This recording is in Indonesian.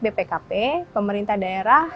bpkp pemerintah daerah